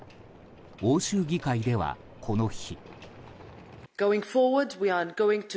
欧州議会では、この日。